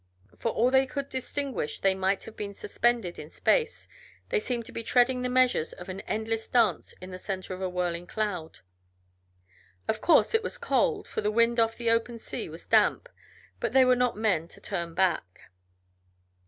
For all they could distinguish, they might have been suspended in space; they seemed to be treading the measures of an endless dance in the center of a whirling cloud. Of course it was cold, for the wind off the open sea was damp, but they were not men to turn back.